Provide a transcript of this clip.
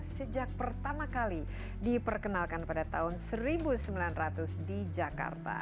sejak pertama kali diperkenalkan pada tahun seribu sembilan ratus di jakarta